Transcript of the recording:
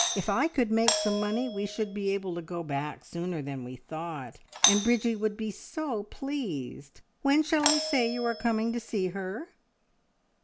If I could make some money we should be able to go back sooner than we thought, and Bridgie would be so pleased. When shall I say you are coming to see her?"